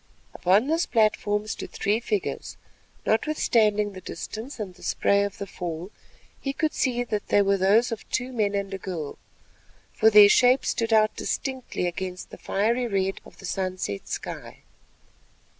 Upon this platform stood three figures; notwithstanding the distance and the spray of the fall, he could see that they were those of two men and a girl, for their shapes stood out distinctly against the fiery red of the sunset sky.